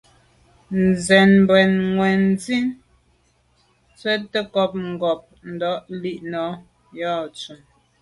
Sə̂n bu’ŋwà’nì swatə̂ncob ncob ntad lî nâ’ yα̌ tumə.